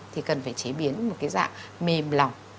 thì cần phải chế biến một cái dạng mềm lỏng